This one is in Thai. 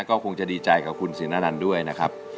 ก็คงจะดีใจกับคุณสินอนันต์ด้วยนะครับ